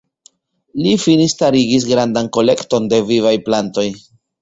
Li fine starigis grandan kolekton de vivaj plantoj.